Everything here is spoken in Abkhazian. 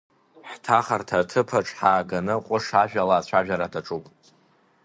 Ҳҭахарҭа аҭыԥаҿ ҳааганы ҟәыш ажәала ацәажәара даҿуп.